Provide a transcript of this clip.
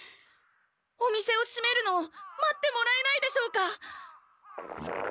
お店をしめるのを待ってもらえないでしょうか？